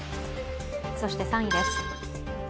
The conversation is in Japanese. そして３位です。